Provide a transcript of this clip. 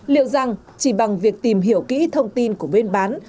liệu rằng chỉ bằng việc tìm hiểu kỹ thông tin của bên bán